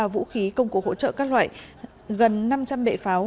một trăm chín mươi ba vũ khí công cụ hỗ trợ các loại gần năm trăm linh bệ pháo